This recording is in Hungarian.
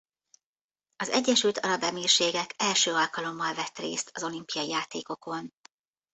Az Egyesült Arab Emírségek első alkalommal vett részt az olimpiai játékokon.